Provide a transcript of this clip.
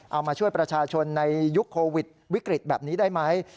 เอามาช่วยประชาชนในยุคโควิดวิกฤตแบบนี้ได้ไหม